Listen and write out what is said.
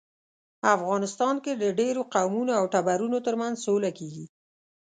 افغانستان کې د ډیرو قومونو او ټبرونو ترمنځ سوله کیږي